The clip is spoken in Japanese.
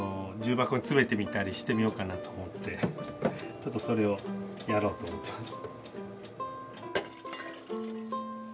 ちょっとそれをやろうと思ってます。